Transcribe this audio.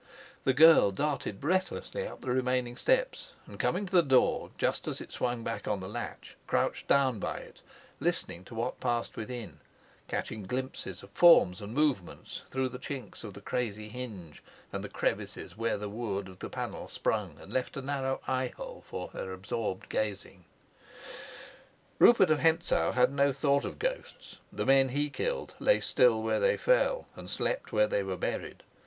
The girl darted breathlessly up the remaining steps, and, coming to the door, just as it swung back on the latch, crouched down by it, listening to what passed within, catching glimpses of forms and movements through the chinks of the crazy hinge and the crevices where the wood of the panel sprung and left a narrow eye hole for her absorbed gazing. Rupert of Hentzau had no thought of ghosts; the men he killed lay still where they fell, and slept where they were buried.